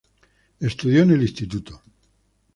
Estudió en el Inst.